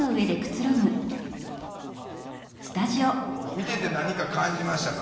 見てて何か感じましたか？